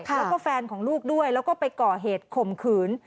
แล้วก็แฟนของลูกด้วยแล้วก็ไปก่อเหตุข่มขืน